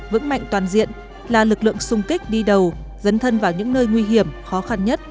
vững mạnh toàn diện là lực lượng sung kích đi đầu dấn thân vào những nơi nguy hiểm khó khăn nhất